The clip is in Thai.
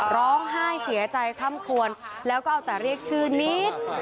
ร้องไห้เสียใจพร่ำควรแล้วก็เอาแต่เรียกชื่อนิด